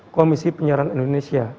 komisi penyiaran indonesia